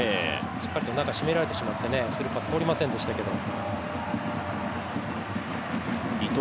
しっかりと中、しめられてしまってスルーパスが通りませんでしたけど。